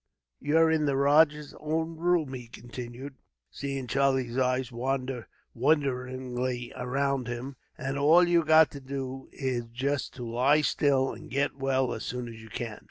"You're in the rajah's own room," he continued, seeing Charlie's eyes wander wonderingly around him, "and all you've got to do is just to lie still, and get well as soon as you can."